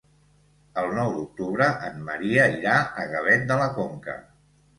El nou d'octubre en Maria irà a Gavet de la Conca.